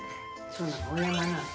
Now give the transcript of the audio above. そうなのおやまなの？